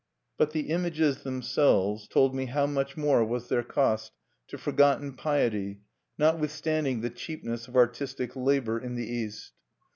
But the images themselves told me how much more was their cost to forgotten piety, notwithstanding the cheapness of artistic labor in the East.